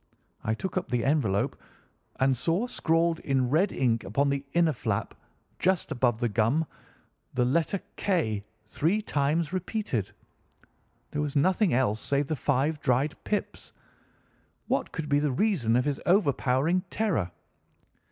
I took up the envelope and saw scrawled in red ink upon the inner flap, just above the gum, the letter K three times repeated. There was nothing else save the five dried pips. What could be the reason of his overpowering terror?